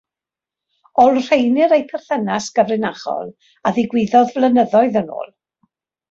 Olrheinir eu perthynas gyfrinachol a ddigwyddodd flynyddoedd yn ôl.